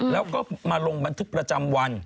แล้วก็มาลงบันทึกประจำวัน